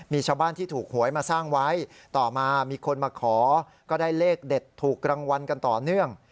มีชาวบ้านที่ถูกหวยมาสร้างไว้ต่อมามีคนมาขอก็ได้เลขเด็ดถูกรางวัลกันต่อเนื่อง